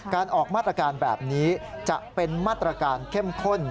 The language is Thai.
การออกมาตรการแบบนี้จะเป็นมาตรการเข้มข้น